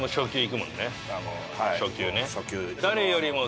初球ね。